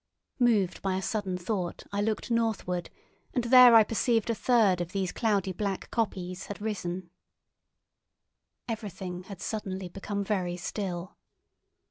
Moved by a sudden thought, I looked northward, and there I perceived a third of these cloudy black kopjes had risen. Everything had suddenly become very still.